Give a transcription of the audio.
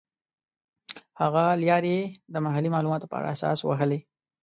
هغه لیارې یې د محلي معلوماتو پر اساس وهلې.